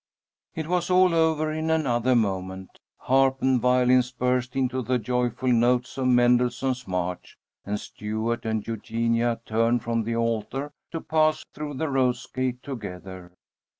It was all over in another moment. Harp and violins burst into the joyful notes of Mendelssohn's march, and Stuart and Eugenia turned from the altar to pass through the rose gate together.